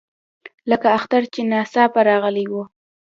لکه اختر چې ناڅاپه راغلی وي.